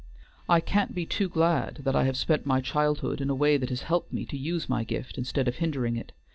I can't be too glad that I have spent my childhood in a way that has helped me to use my gift instead of hindering it.